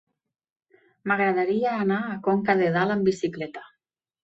M'agradaria anar a Conca de Dalt amb bicicleta.